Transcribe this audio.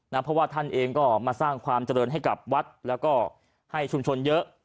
เพราะว่าท่านเองก็มาสร้างความเจริญให้กับวัดแล้วก็ให้ชุมชนเยอะ